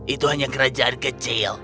itu hanya kerajaan kecil